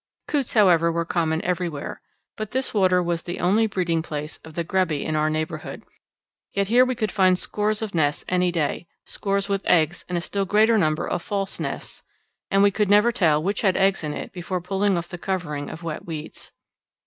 Coots, however, were common everywhere, but this water was the only breeding place of the grebe in our neighbourhood; yet here we could find scores of nests any day scores with eggs and a still greater number of false nests, and we could never tell which had eggs in it before pulling off the covering of wet weeds.